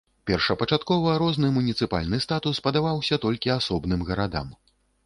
Першапачаткова розны муніцыпальны статус падаваўся толькі асобным гарадам.